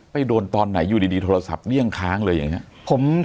ไปโดนตอนไหนอยู่ดีโทรศัพท์เรี่ยงค้างเลยยังไง